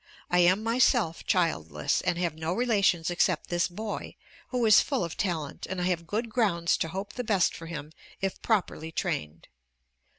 I am myself childless, and have no relations except this boy, who is full of talent, and I have good grounds to hope the best for him, if properly trained.